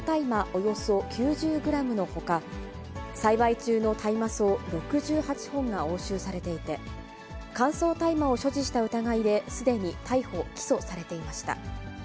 およそ９０グラムのほか、栽培中の大麻草６８本が押収されていて、乾燥大麻を所持した疑いですでに逮捕・起訴されていました。